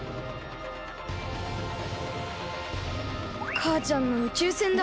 かあちゃんの宇宙船だ。